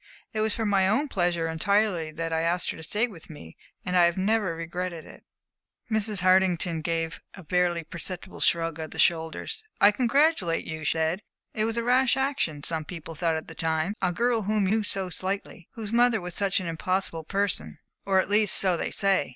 It was for my own pleasure entirely that I asked her to stay with me, and I have never regretted it." Mrs. Hartington gave a barely perceptible shrug of the shoulders. "I congratulate you," she said. "It was a rash action, some people thought at the time. A girl whom you knew so slightly, whose mother was such an impossible person or at least, so they say.